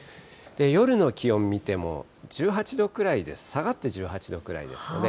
夜の気温見ても、１８度くらいで、下がって１８度ぐらいですかね。